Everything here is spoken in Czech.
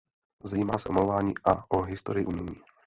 Zajímá se o malování a o historii umění.